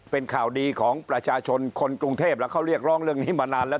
เป็นข่าวดีของประชาชนคนกรุงเทพแล้วเขาเรียกร้องเรื่องนี้มานานแล้ว